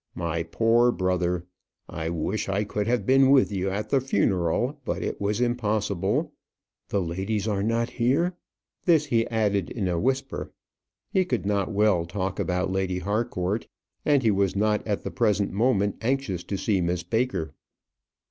My poor brother! I wish I could have been with you at the funeral; but it was impossible. The ladies are not here?" This he added in a whisper. He could not well talk about Lady Harcourt, and he was not at the present moment anxious to see Miss Baker.